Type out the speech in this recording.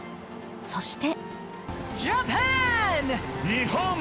そして。